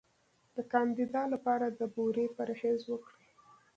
د کاندیدا لپاره د بورې پرهیز وکړئ